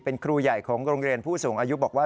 เป็นครูใหญ่ของโรงเรียนผู้สูงอายุบอกว่า